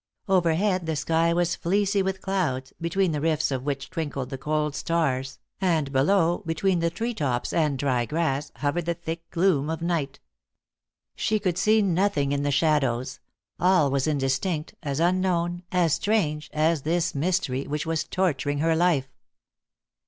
Overhead the sky was fleecy with clouds, between the rifts of which twinkled the cold stars, and below, between the tree tops and dry grass, hovered the thick gloom of night. She could see nothing in the shadows; all was as indistinct, as unknown, as strange, as this mystery which was torturing her life.